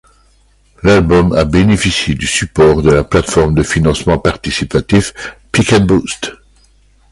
L'album a bénéficié du support de la plateforme de financement participatif Pick and Boost.